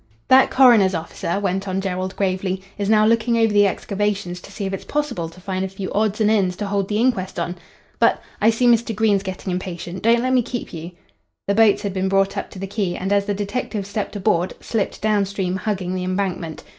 "That coroner's officer," went on Jerrold gravely, "is now looking over the excavations to see if it's possible to find a few odds and ends to hold the inquest on. But I see Mr. Green's getting impatient. Don't let me keep you." The boats had been brought up to the quay and, as the detectives stepped aboard, slipped downstream, hugging the Embankment.